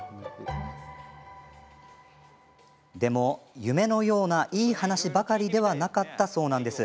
でも夢のようないい話ばかりではなかったそうなんです。